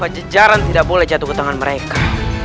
jejaran tidak boleh jatuh ke tangan mereka